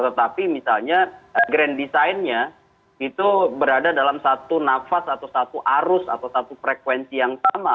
tetapi misalnya grand designnya itu berada dalam satu nafas atau satu arus atau satu frekuensi yang sama